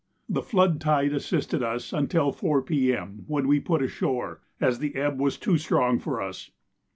The flood tide assisted us until 4 P.M., when we put ashore, as the ebb was too strong for us.